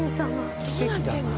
どうなってるの？